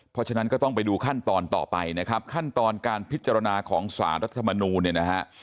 เพราะฉะนั้นก็ต้องไปดูขั้นตอนต่อไปนะครับขั้นตอนการพิจารณาของสารรัฐธรรมนูลเนี่ยนะฮะ